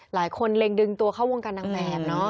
หลายคนเล็งดึงตัวเข้าวงการนางแบบเนอะ